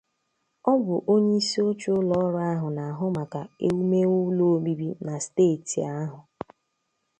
Ọ bụ onyeisioche ụlọọrụ ahụ na-ahụ maka ewumewu ụlọ obibi na steeti ahụ